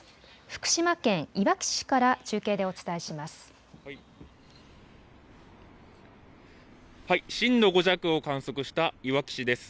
福島県いわき市から中継でお伝えします。